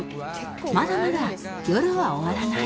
まだまだ夜は終わらない